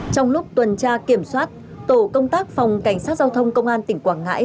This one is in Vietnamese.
trong lúc tuần tra kiểm soát tổ công tác phòng cảnh sát giao thông công an tỉnh quảng ngãi